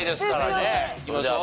いきましょう。